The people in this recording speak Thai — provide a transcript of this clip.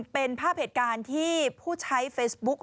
เป็นภาพเหตุการณ์ที่ผู้ใช้เฟซบุ๊ก